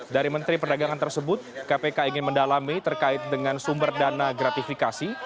dari menteri perdagangan tersebut kpk ingin mendalami terkait dengan sumber dana gratifikasi